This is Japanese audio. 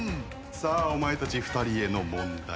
さあお前たち２人への問題。